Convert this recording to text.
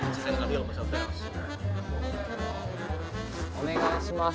お願いします。